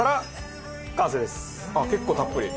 あっ結構たっぷり。